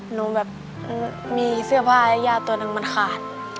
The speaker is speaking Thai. หนูแบบมีเสื้อผ้าและย่าตัวหนึ่งมันขาด